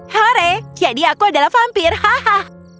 hore jadi aku adalah vampir haha